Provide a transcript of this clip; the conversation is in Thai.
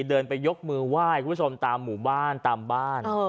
เดินไปยกมือไหว้คุณผู้ชมตามหมู่บ้านตามบ้าน